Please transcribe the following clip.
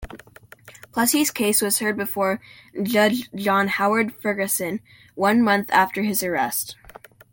Plessy's case was heard before Judge John Howard Ferguson one month after his arrest.